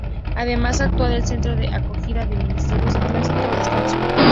Además actúa de centro de acogida de misioneros en tránsito o descanso.